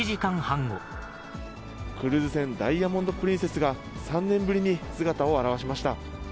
クルーズ船、ダイヤモンド・プリンセスが、３年ぶりに姿を現しました。